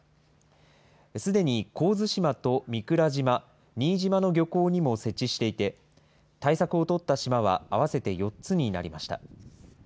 すでに神津島と御蔵島、新島の漁港にも設置していて、対策を取った島は合わせて４つになりました。